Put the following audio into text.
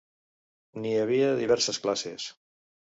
N'hi havia de diverses classes.